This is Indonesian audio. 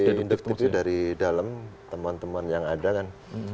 induktif dari dalam teman teman yang ada kan